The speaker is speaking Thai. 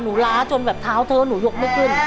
ล้าจนแบบเท้าเธอหนูยกไม่ขึ้น